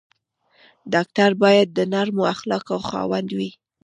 ډاکټر باید د نرمو اخلاقو خاوند وي.